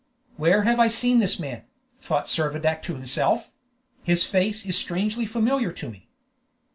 "Where have I seen this man?" thought Servadac to himself; "his face is strangely familiar to me."